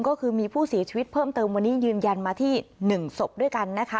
ก็คือมีผู้เสียชีวิตเพิ่มเติมวันนี้ยืนยันมาที่๑ศพด้วยกันนะคะ